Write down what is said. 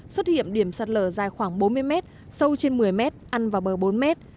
xuất hiện điểm sạt lở dài khoảng bốn mươi mét sâu trên một mươi mét ăn vào bờ bốn mét